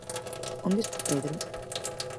¿Onde está Pedro?